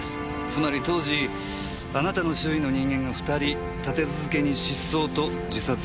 つまり当時あなたの周囲の人間が２人立て続けに失踪と自殺をした事になります。